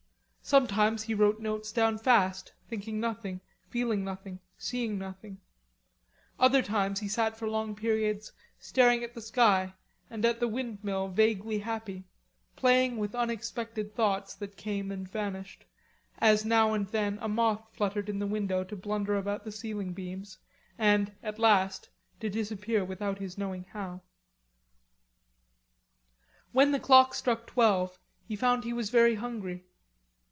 Sometimes he wrote notes down fast, thinking nothing, feeling nothing, seeing nothing; other times he sat for long periods staring at the sky and at the windmill vaguely happy, playing with unexpected thoughts that came and vanished, as now and then a moth fluttered in the window to blunder about the ceiling beams, and, at last, to disappear without his knowing how. When the clock struck twelve, he found he was very hungry.